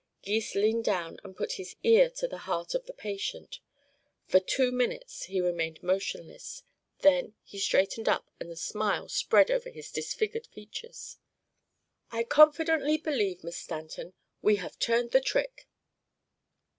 Gys leaned down and put his ear to the heart of the patient. For two minutes he remained motionless. Then he straightened up and a smile spread over his disfigured features. "I confidently believe, Miss Stanton, we have turned the trick!